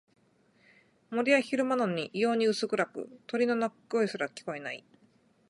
森は昼間なのに異様に薄暗く、鳥の鳴き声すら聞こえない。